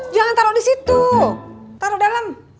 jangan taruh disitu taruh dalam